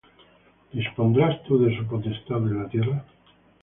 ¿Dispondrás tú de su potestad en la tierra?